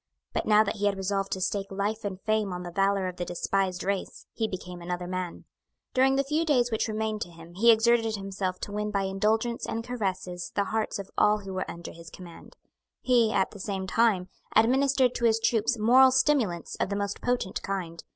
But now that he had resolved to stake life and fame on the valour of the despised race, he became another man. During the few days which remained to him he exerted himself to win by indulgence and caresses the hearts of all who were under his command. He, at the same time, administered to his troops moral stimulants of the most potent kind.